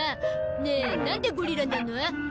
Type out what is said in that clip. ねえなんでゴリラなの？